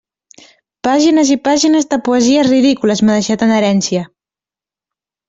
Pàgines i pàgines de poesies ridícules m'ha deixat en herència!